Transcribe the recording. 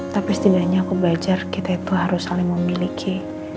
tapi setidaknya aku belajar kita itu harus saling memiliki